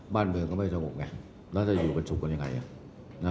บ้านเมืองก็ไม่สงบไงแล้วจะอยู่กันสุขกันยังไง